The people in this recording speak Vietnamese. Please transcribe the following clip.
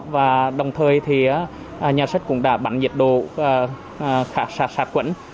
và đồng thời nhà sách cũng đã bắn nhiệt độ khả sạc sạc quẩn